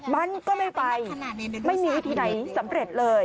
มันก็ไม่ไปไม่มีวิธีไหนสำเร็จเลย